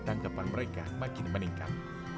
tangkapan mereka makin meningkat